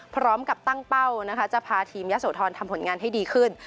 พร้อมกับตั้งเป้านะคะจะพาทีมยะโสธรทำผลงานให้ดีขึ้น